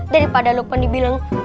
daripada lukman dibilang lupa